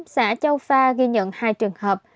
xã châu pha ghi nhận hai trường hợp